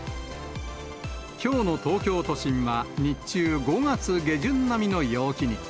きょうの東京都心は日中、５月下旬並みの陽気に。